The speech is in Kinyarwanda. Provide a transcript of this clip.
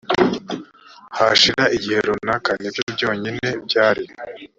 hashira igihe runaka ni byo byonyine byari